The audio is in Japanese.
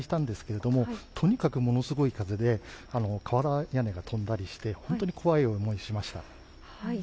私、富津市の自宅で被災したのですが、とにかくものすごい風で瓦屋根が飛んだりして本当に怖い思いをしました。